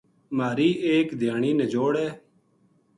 مہاری ایک دھیانی نجوڑ ہے